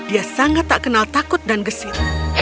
dia sangat tak kenal takut dan gesit